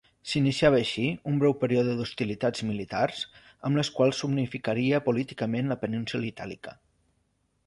S'iniciava així, un breu període d'hostilitats militars amb les quals s'unificaria políticament la península Itàlica.